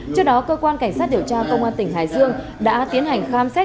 trước đó cơ quan cảnh sát điều tra công an tỉnh hải dương đã tiến hành khám xét